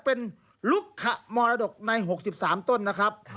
เป็นลูกขมรดกใน๖๓ต้นนะครับ